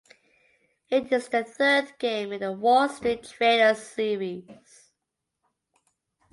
It is the third game in the "Wall Street Trader" series.